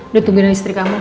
udah tungguin istri kamu